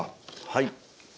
はい。